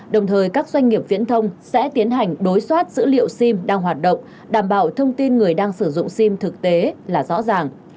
đồng thời các doanh nghiệp viễn thông sẽ tiến hành đối soát dữ liệu sim đang hoạt động đảm bảo thông tin người đang sử dụng sim thực tế là rõ ràng